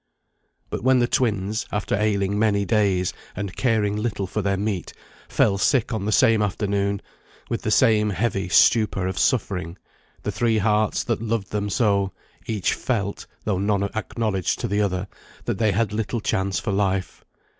But when the twins, after ailing many days, and caring little for their meat, fell sick on the same afternoon, with the same heavy stupor of suffering, the three hearts that loved them so, each felt, though none acknowledged to the other, that they had little chance for life.